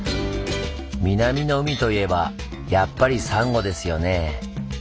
南の海といえばやっぱりサンゴですよねぇ。